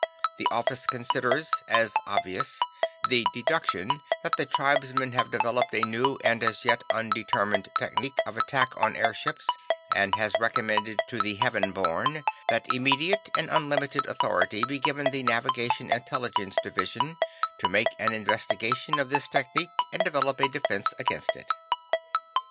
The Office considers, as obvious, the deduction that the tribesmen have developed a new, and as yet undetermined, technique of attack on airships, and has recommended to the Heaven Born that immediate and unlimited authority be given the Navigation Intelligence Division to make an investigation of this technique and develop a defense against it.